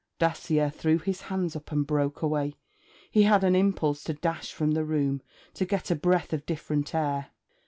Dacier threw his hands up and broke away. He had an impulse to dash from the room, to get a breath of different air.